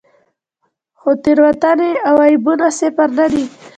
خو تېروتنې او عیبونه صفر نه دي.